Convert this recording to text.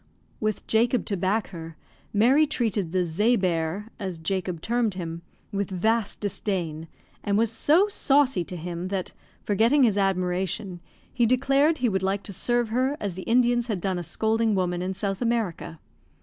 With Jacob to back her, Mary treated the "zea bear," as Jacob termed him, with vast disdain, and was so saucy to him that, forgetting his admiration, he declared he would like to serve her as the Indians had done a scolding woman in South America.